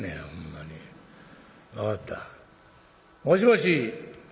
もしもし。